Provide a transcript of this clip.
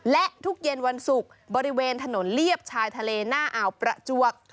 และทุกเย็นวันศุกร์บริเวณถนนเลียบชายทะเลหน้าอ่าวประจวก